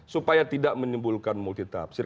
supaya tidak menyimpulkan multitapsir